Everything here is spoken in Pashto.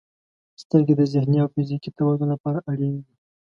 • سترګې د ذهني او فزیکي توازن لپاره اړینې دي.